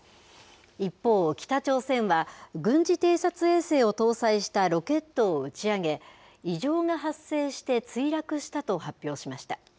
一方、北朝鮮は軍事偵察衛星を搭載したロケットを打ち上げ、異常が発生して墜落したと発表しました。